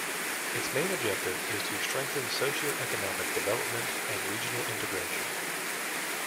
Its main objective is to strengthen socio-economic development and regional integration.